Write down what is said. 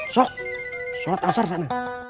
sok sholat asar pak